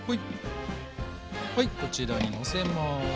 はいこちらにのせます。